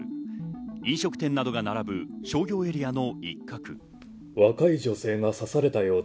飲食店などが並ぶ商業エリアの一角。